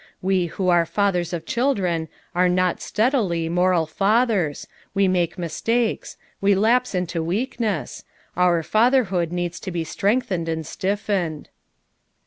We who are fathers of children are not steadily moral fathers; we make mistakes; we lapse into weakness; our fatherhood needs to be strengthened and stiffened."